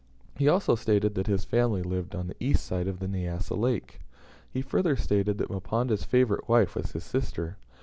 He also stated that his family lived on the east side of the Nyassa Lake. He further stated that Mponda's favourite wife was his sister.